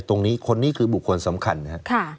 คนนี้คนนี้คือบุคคลสำคัญนะครับ